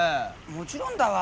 もちろんだわ。